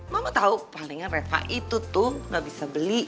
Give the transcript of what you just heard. mama tahu palingan reva itu tuh gak bisa beli